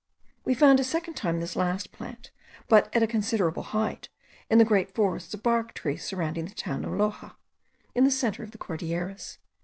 We found a second time this last plant, but at a considerable height, in the great forests of bark trees surrounding the town of Loxa, in the centre of the Cordilleras.)